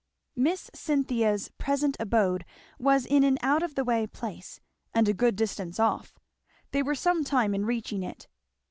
Miss Cynthia's present abode was in an out of the way place, and a good distance off; they were some time in reaching it.